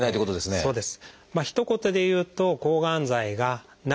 そうですか。